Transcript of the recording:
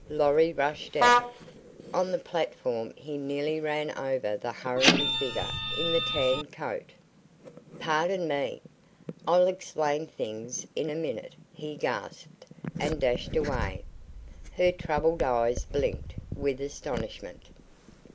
Lorry rushed out. On the platform he nearly ran over the hurrying figure in the tan coat. "Pardon me. I'll explain things in a minute," he gasped, and dashed away. Her troubled eyes blinked with astonishment.